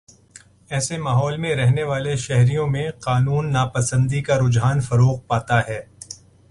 ایسے ماحول میں رہنے والے شہریوں میں قانون ناپسندی کا رجحان فروغ پاتا ہے